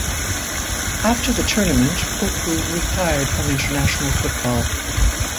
After the tournament, Cocu retired from international football.